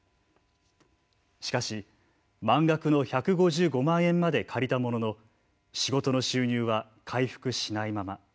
しかし、満額の１５５万円まで借りたものの仕事の収入は回復しないまま。